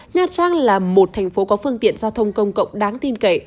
nha trang là một thành phố có phương tiện giao thông công cộng đáng tin cậy